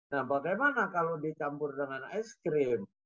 nah bagaimana kalau dicampur dengan aiskrim